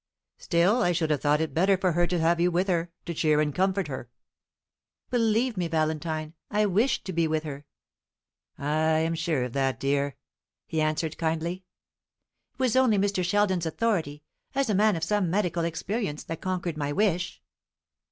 "Still I should have thought it better for her to have you with her, to cheer and comfort her. "Believe me, Valentine, I wished to be with her." "I am sure of that, dear," he answered kindly. "It was only Mr. Sheldon's authority, as a man of some medical experience, that conquered my wish."